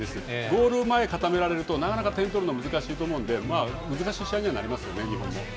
ボールを前固められるとなかなか点取るのは難しいと思うので、難しい試合にはなりますよね、日本も。